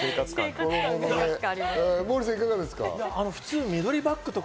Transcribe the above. モーリーさん、いかがですか？